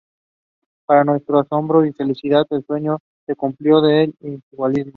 Para nuestro asombro y felicidad, el sueño se cumplió en Ischigualasto".